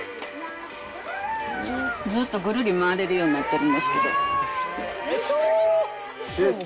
ずっとぐるり回れるようになってるんですけど。